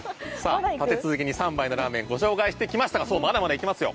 立て続けに３杯のラーメンご紹介してきましたがまだまだいけますよ。